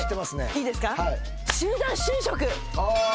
いいですか。